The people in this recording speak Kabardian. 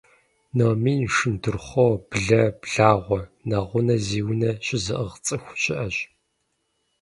Номин, шындурхъуо, блэ, благъуэ, нэгъунэ зи унэ щызыӏыгъ цӏыху щыӏэщ.